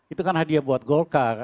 itu kan hadiah buat golkar